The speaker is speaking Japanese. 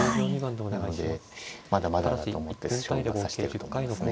なのでまだまだだと思って将棋は指してると思いますね。